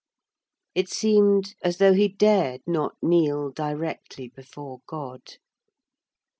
It seemed as though he dared not kneel directly before God.